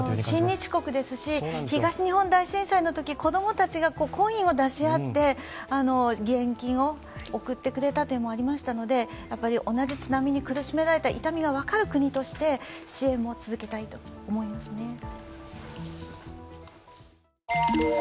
親日国ですし、東日本大震災のとき、子供たちがコインを出し合って義援金を送ってくれたというのもありますし同じ津波に苦しめられた痛みが分かる国として支援も続けたいと思いますね。